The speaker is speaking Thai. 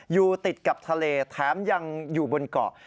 อยู่ติดกับทะเลแถมยังอยู่บนเกาะ